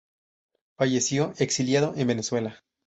Falleció exiliado en Venezuela.